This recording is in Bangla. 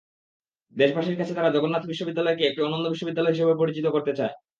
দেশবাসীর কাছে তারা জগন্নাথ বিশ্ববিদ্যালয়কে একটি অনন্য বিশ্ববিদ্যালয় হিসেবে পরিচিত করতে চায়।